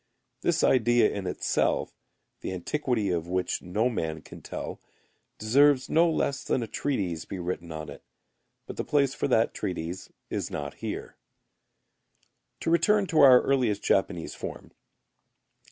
This idea in itself, the antiquity of which no man can tell, deserves no less than a treatise be written on it. But the place for that treatise is not here. To return to our earliest Japanese form.